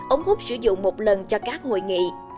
ống hút sử dụng một lần cho các hội nghị